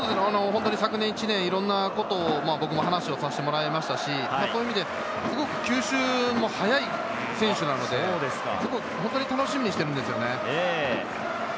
昨年１年、いろいろなことを僕も話をさせてもらいましたし、吸収も早い選手なので、本当に楽しみにしているんですよね。